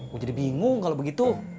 gue jadi bingung kalau begitu